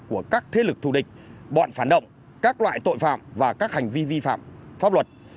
của các thế lực thù địch bọn phản động các loại tội phạm và các hành vi vi phạm pháp luật